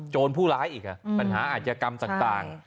ผู้ร้ายอีกปัญหาอาจยกรรมต่าง